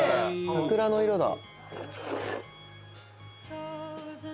桜の色だ。